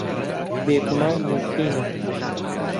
بێگومان، مومکینە.